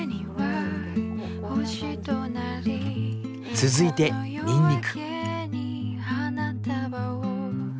続いてにんにく。